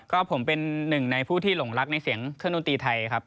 ก็ผมเป็นหนึ่งในผู้ที่หลงรักในเสียงเครื่องดนตรีไทยครับ